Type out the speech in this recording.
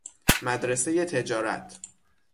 مدرسۀ تجارت